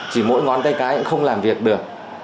chỉ mỗi ngón tay cái cũng không làm việc được